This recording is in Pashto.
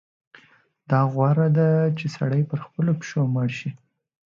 دا غوره ده چې سړی پر خپلو پښو مړ شي.